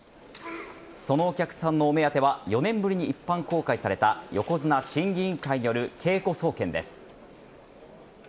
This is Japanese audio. そのお客さんのお目当ては４年ぶりに一般公開された横綱審議委員会による稽古総見です。